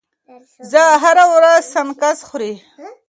زه هره ورځ سنکس خوري.